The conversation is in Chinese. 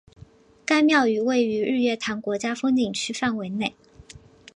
该庙宇位于日月潭国家风景区范围内。